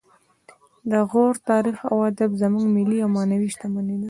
د غور تاریخ او ادب زموږ ملي او معنوي شتمني ده